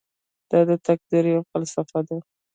دا د تقدیر یوه فلسفه ده.